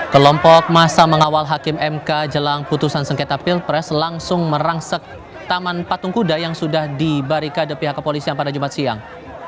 kelompok masa mengawal hakim mk jelang putusan sengketa pilpres langsung merangsek taman patung kuda yang sudah di barikade pihak kepolisian pada jumat siang